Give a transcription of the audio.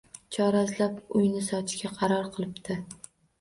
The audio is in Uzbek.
Chora izlab, uyni sotishga qaror qilibdi